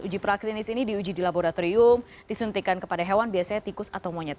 uji praklinis ini diuji di laboratorium disuntikan kepada hewan biasanya tikus atau monyet